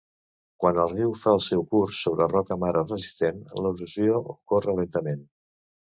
Quan el riu fa el seu curs sobre roca mare resistent, l'erosió ocorre lentament.